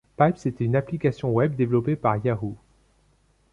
Pipes était une application Web développée par Yahoo!